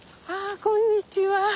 あこんにちは。